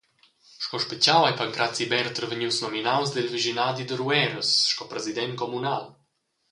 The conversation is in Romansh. Sco spitgau ei Pancrazi Berther vegnius nominaus dil vischinadi da Rueras sco president communal.